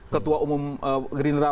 ketua umum gerindra